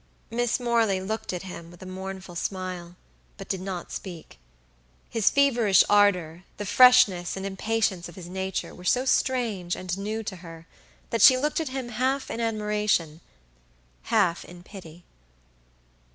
Miss Morley looked at him with a mournful smile, but did not speak. His feverish ardor, the freshness and impatience of his nature were so strange and new to her, that she looked at him half in admiration, half in pity.